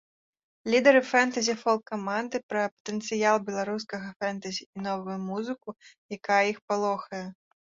Лідары фэнтэзі-фолк-каманды пра патэнцыял беларускага фэнтэзі і новую музыку, якая іх палохае.